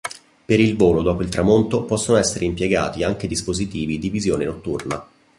Per il volo dopo il tramonto possono essere impiegati anche dispositivi di visione notturna.